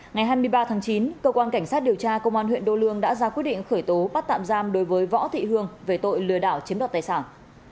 ngày hai mươi ba tháng chín cơ quan cảnh sát điều tra công an huyện đô lương đã ra quyết định khởi tố bắt tạm giam đối với võ thị hương về tội lừa đảo chiếm đoạt tài sản